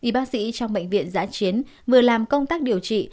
y bác sĩ trong bệnh viện giã chiến vừa làm công tác điều trị